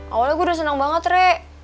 awalnya gue udah seneng banget rek